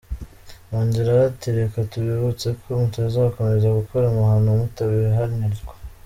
Yongeraho ati:”Reka tubibutseko mutazakomeza gukora amahano mutabihanirwa”.